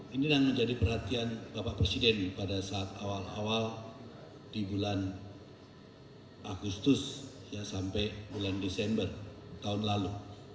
ini yang menjadi perhatian bapak presiden pada saat awal awal di bulan agustus sampai bulan desember tahun lalu